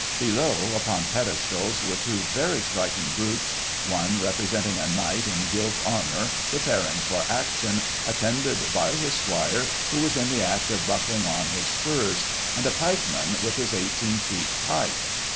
Below, upon pedestals, were two very strik ing groups, one representing a knight in gilt armour, pre paring for action, attended by his esquire, who was in the act of buckling on his spurs, and a pikeman, with his 18 feet pike.